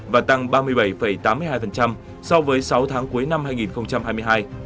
và tăng ba mươi bảy tám mươi hai so với sáu tháng cuối năm hai nghìn hai mươi hai